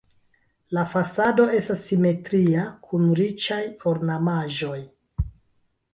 La fasado estas simetria kun riĉaj ornamaĵoj.